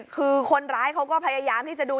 คือคนร้ายเขาก็พยายามที่จะดู